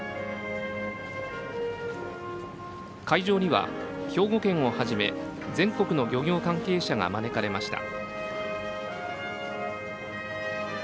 会場には兵庫県をはじめ全国の漁業関係者が招かれました。